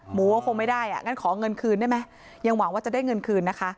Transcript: หมูก็คงไม่ได้อ่ะงั้นขอเงินคืนได้ไหมยังหวังว่าจะได้เงินคืนนะคะ